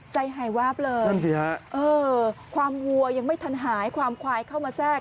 ใจหายวาบเลยความหัวยังไม่ทันหายความควายเข้ามาแทรก